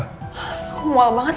aku mual banget